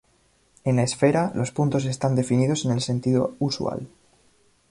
En la esfera, los puntos están definidos en el sentido usual.